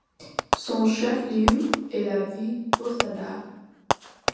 Son chef-lieu est la ville de Posadas.